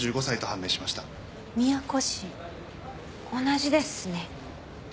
同じですね。